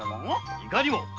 いかにも。